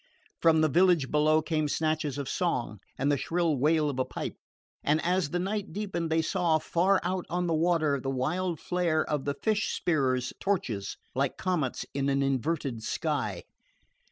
From the village below came snatches of song and the shrill wail of a pipe; and as the night deepened they saw, far out on the water, the wild flare of the fish spearers' torches, like comets in an inverted sky.